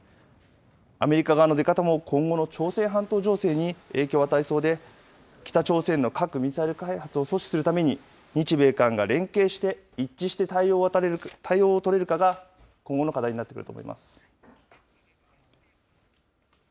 アメリカ側の出方も今後の朝鮮半島情勢に影響を与えそうで、北朝鮮の核・ミサイル開発を阻止するために、日米韓が連携して一致して対応を取れるかが、今後の課題になってくると思います。